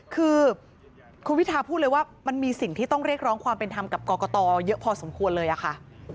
คือคุณพิทาพูดเลยว่ามันมีสิ่งที่ต้องเรียกร้องความเป็นธรรมกับกรกตเยอะพอสมควรเลยอะค่ะ